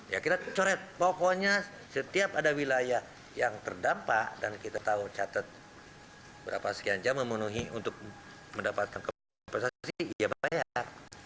ya kita coret pokoknya setiap ada wilayah yang terdampak dan kita tahu catat berapa sekian jam memenuhi untuk mendapatkan investasi ya bayar